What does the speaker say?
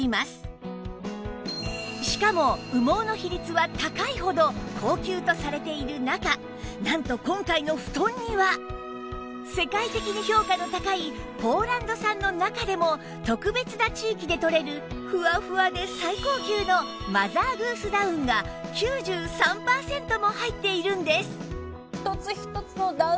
しかも羽毛の比率は高いほど高級とされている中なんと今回の布団には世界的に評価の高いポーランド産の中でも特別な地域で取れるふわふわで最高級のマザーグースダウンが９３パーセントも入っているんです